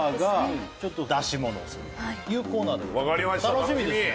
楽しみですね。